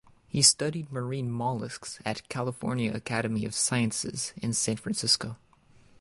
He studied marine molluscs at California Academy of Sciences in San Francisco.